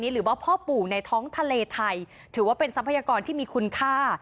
หรือว่าพ่อปู่ในท้องทะเลไทยถือว่าเป็นทรัพยากรที่มีคุณค่า